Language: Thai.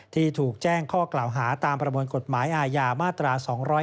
ที่ถูกแจ้งข้อกล่าวหาตามประมวลกฎหมายอาญามาตรา๒๗